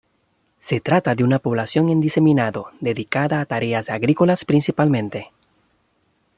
Se trata de una población en diseminado, dedicada a tareas agrícolas principalmente.